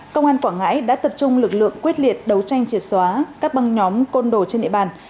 công an quảng ngãi đã tập trung lực lượng quyết liệt đấu tranh triệt xóa các băng nhóm côn đồ trên địa bàn